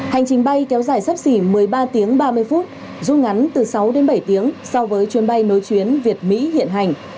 hành trình bay kéo dài sắp xỉ một mươi ba tiếng ba mươi phút rút ngắn từ sáu đến bảy tiếng so với chuyến bay nối chuyến việt mỹ hiện hành